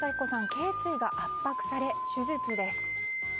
頸椎が圧迫され、手術です。